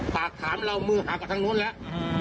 ปากถามเรามือหาบกันทั้งนู้นแหละ